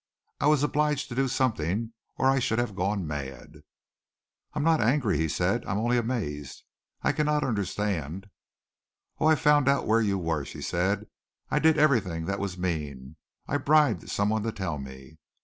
I was obliged to do something or I should have gone mad." "I am not angry," he said. "I am only amazed, I cannot understand " "Oh, I found out where you were!" she said. "I did everything that was mean. I bribed someone to tell me.